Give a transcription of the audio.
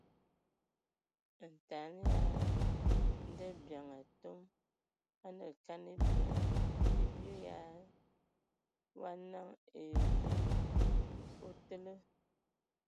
Ntaɛn ya ndabiaŋ atɔm anə kan ebɛ :e wi wa naŋ ai e wi o tələ.